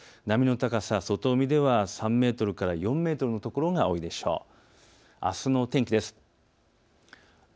波の高さ、外海では３メートルから４メートルの所が多いでしょう。